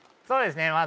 そうですね